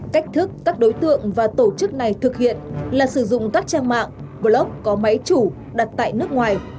cách thức các đối tượng và tổ chức này thực hiện là sử dụng các trang mạng blog có máy chủ đặt tại nước ngoài